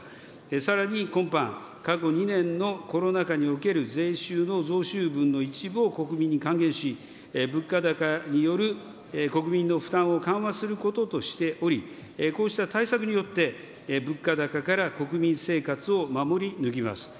さらに今般、過去２年のコロナ禍における税収の増収分の一部を国民に還元し、物価高による国民の負担を緩和することとしており、こうした対策によって、物価高から国民生活を守り抜きます。